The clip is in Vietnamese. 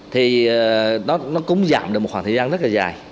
thì nó cũng giảm được một khoảng thời gian rất là dài